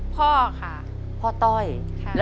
สวัสดีครับ